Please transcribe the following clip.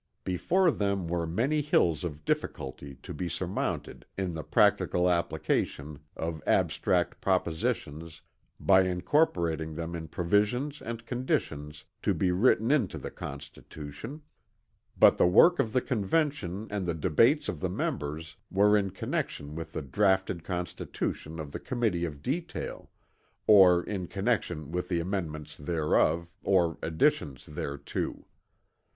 Before them were many hills of difficulty to be surmounted in the practical application of abstract propositions by incorporating them in provisions and conditions to be written into the Constitution. But the work of the Convention and the debates of the members were in connection with the draughted Constitution of the Committee of Detail, or in connection with amendments thereof or additions thereto.